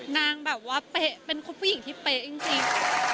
นางแบบว่าเป๊ะเป็นคบผู้หญิงที่เป๊ะจริง